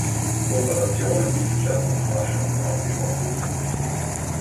Kooperation in Wissenschaft und Forschung ist ausgesprochen wichtig.